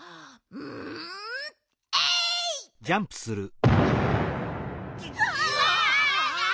うわ！